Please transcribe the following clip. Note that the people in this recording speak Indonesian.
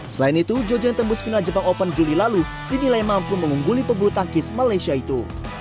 selain itu jojo yang tembus final jepang open juli lalu dinilai mampu mengungguli pebulu tangkis malaysia itu